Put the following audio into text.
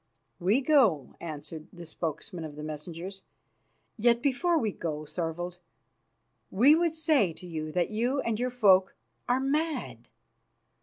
"We go," answered the spokesman of the messengers; "yet before we go, Thorvald, we would say to you that you and your folk are mad.